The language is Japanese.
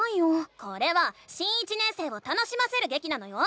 これは新１年生を楽しませるげきなのよ！